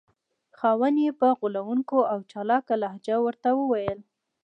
خاوند یې په غولونکې او چالاکه لهجه ورته وویل.